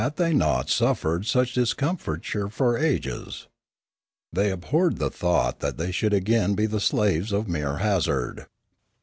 They had not suffered such discomfiture for ages. They abhorred the thought that they should again be the slaves of mere hazard.